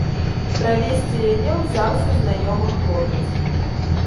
Правесці яе ўзяўся знаёмы хлопец.